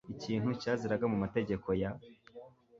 ikintu cyaziraga mu mategeko ya